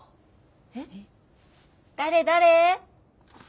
えっ誰誰？